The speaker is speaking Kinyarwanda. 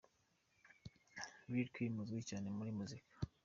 Lil Kim uzwi cyane muri muzika.